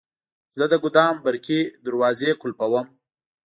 زه د ګودام برقي دروازې قلفووم.